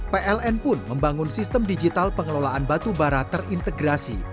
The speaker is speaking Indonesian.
pln pun membangun sistem digital pengelolaan batubara terintegrasi